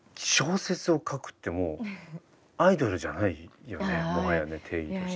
小説を書くってもうアイドルじゃないよね。